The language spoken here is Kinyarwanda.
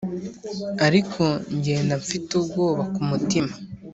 ariko ngenda mfite ubwoba kumutima